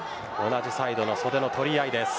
同じサイドの袖の取り合いです。